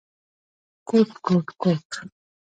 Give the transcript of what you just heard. _کوټ، کوټ ، کوټ…